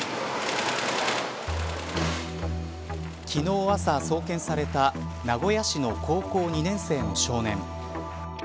昨日の朝、送検された名古屋市の高校２年生の少年。